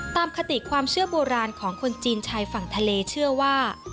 คติความเชื่อโบราณของคนจีนชายฝั่งทะเลเชื่อว่า